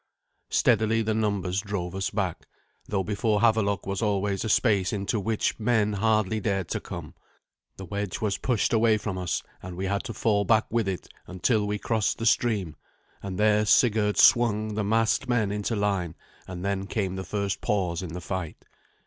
Steadily the numbers drove us back, though before Havelok was always a space into which men hardly dared to come. The wedge was pushed away from us, and we had to fall back with it, until we crossed the stream; and there Sigurd swung the massed men into line, and then came the first pause in the fight.